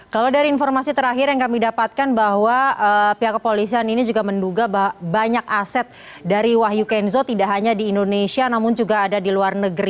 kalau dari informasi terakhir yang kami dapatkan bahwa pihak kepolisian ini juga menduga banyak aset dari wahyu kenzo tidak hanya di indonesia namun juga ada di luar negeri